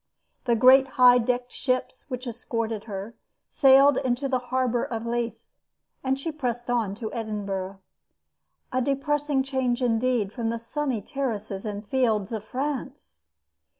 The great high decked ships which escorted her sailed into the harbor of Leith, and she pressed on to Edinburgh. A depressing change indeed from the sunny terraces and fields of France!